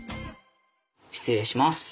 失礼します。